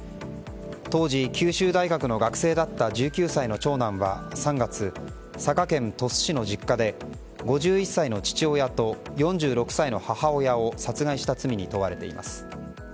当時、九州大学の学生だった１９歳の長男は３月佐賀県鳥栖市の実家で５１歳の父親と４６歳の母親を殺害した罪に問われています。